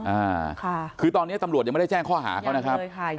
อ่าค่ะคือตอนนี้ตำรวจยังไม่ได้แจ้งข้อหาเขานะครับใช่ค่ะ